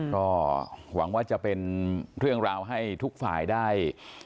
ก็หวังว่าจะเป็นเรื่องราวให้ทุกฝ่ายได้